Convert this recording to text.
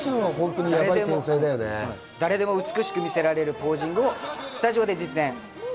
誰でも美しく見せられるポージングをスタジオで実演。